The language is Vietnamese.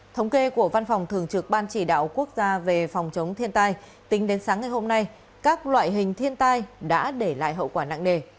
thống kê của văn phòng thường trực ban chỉ đạo quốc gia về phòng chống thiên tai tính đến sáng ngày hôm nay các loại hình thiên tai đã để lại hậu quả nặng nề